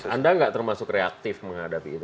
anda nggak termasuk reaktif menghadapi itu